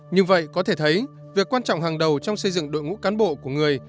như vậy có thể thấy việc quan trọng hàng đầu trong xây dựng đội ngũ cán bộ của người